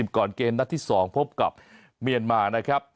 ก่อนเกมนัดที่๒พบกับเมียนมานะครับ